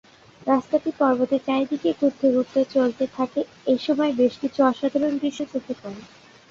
রাস্তাটি পর্বতের চারিদিকে ঘুরতে ঘুরতে চলতে থাকে, এসময় বেশ কিছু অসাধারণ দৃশ্য চোখে পড়ে।